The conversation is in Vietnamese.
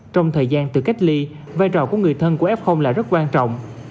trong thời gian tự cách ly vai trò của người thân của f là rất quan trọng